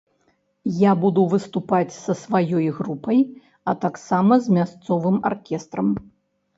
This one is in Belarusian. Я буду выступаць са сваёй групай, а таксама з мясцовым аркестрам.